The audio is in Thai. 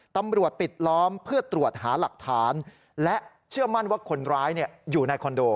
ปิดล้อมเพื่อตรวจหาหลักฐานและเชื่อมั่นว่าคนร้ายอยู่ในคอนโด